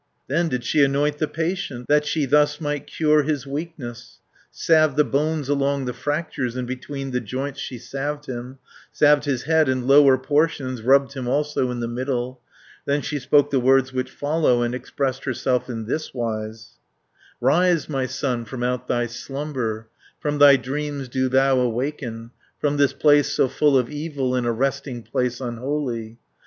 Then did she anoint the patient, That she thus might cure his weakness, Salved the bones along the fractures, And between the joints she salved him, Salved his head and lower portions, Rubbed him also in the middle, Then she spoke the words which follow, And expressed herself in thiswise: 550 "Rise, my son, from out thy slumber, From thy dreams do thou awaken, From this place so full of evil, And a resting place unholy."